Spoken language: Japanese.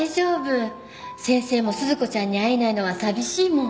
先生も鈴子ちゃんに会えないのは寂しいもん！